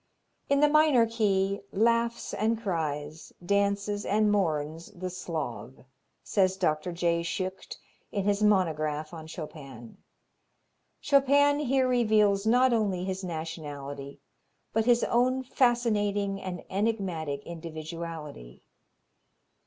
"In the minor key laughs and cries, dances and mourns the Slav," says Dr. J. Schucht in his monograph on Chopin. Chopin here reveals not only his nationality, but his own fascinating and enigmatic individuality.